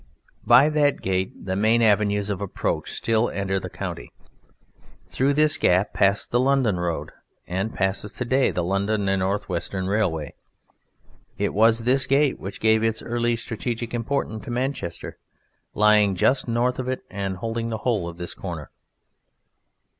By that gate the main avenues of approach still enter the county. Through this gap passed the London Road, and passes to day the London and North Western Railway. It was this gate which gave its early strategic importance to Manchester, lying just north of it and holding the whole of this corner.